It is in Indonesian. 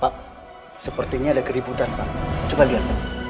pak sepertinya ada keributan pak coba lihat